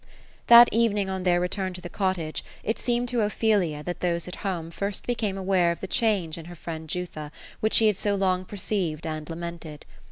That evening, on their return to the cottage, it seemed to Ophelia, that those at home, first became aware of the change in her friend Jutha, which she had so long perceived and lamented.